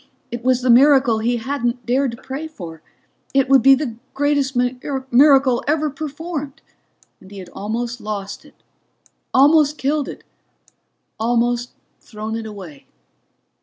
It was the miracle he hadn't dared pray for. It would be the greatest miracle ever performed, and he had almost lost it, almost killed it, almost thrown it away.